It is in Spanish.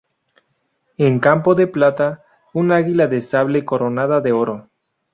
En campo de plata, un águila de sable coronada de oro.